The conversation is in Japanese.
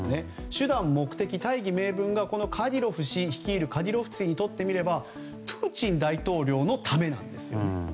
手段、目的、大義名分がカディロフ氏率いるカディロフツィにとってみればプーチン大統領のためなんです。